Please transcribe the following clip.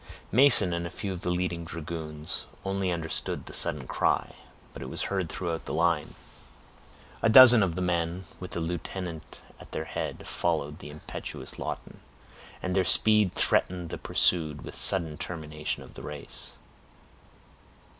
Mason and a few of the leading dragoons only understood the sudden cry, but it was heard throughout the line. A dozen of the men, with the lieutenant at their head, followed the impetuous Lawton, and their speed threatened the pursued with a sudden termination of the race.